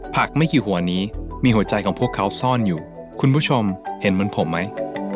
ไม่กี่หัวนี้มีหัวใจของพวกเขาซ่อนอยู่คุณผู้ชมเห็นเหมือนผมไหม